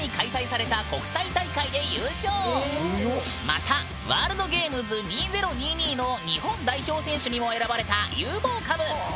またワールドゲームズ２０２２の日本代表選手にも選ばれた有望株！